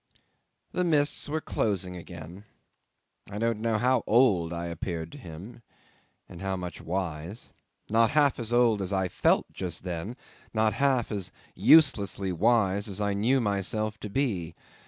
'The mists were closing again. I don't know how old I appeared to him and how much wise. Not half as old as I felt just then; not half as uselessly wise as I knew myself to be.